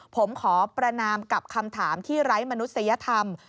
ผมขอประนามกับคำถามที่ไร้มนุษยธรรม